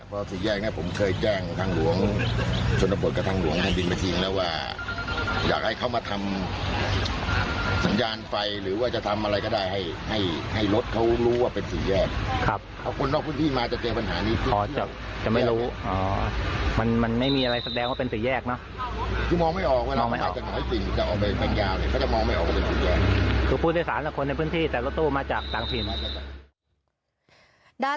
เพราะสิ่งแยกนี้ผมเคยแจ้งทางหลวงชนพลกับทางหลวงทางดินมาจริงแล้วว่าอยากให้เขามาทำสัญญาณไฟหรือว่าจะทำอะไรก็ได้ให้ให้ให้รถเขารู้ว่าเป็นสิ่งแยกครับเอาคนนอกพื้นที่มาจะเจอปัญหานี้อ๋อจะจะไม่รู้อ๋อมันมันไม่มีอะไรแสดงว่าเป็นสิ่งแยกเนาะคือมองไม่ออกว่าจะออกไปแปลงยาวเลยเขาจะมองไม่ออกว่าเป็นสิ่